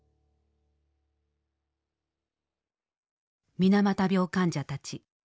水俣病患者たち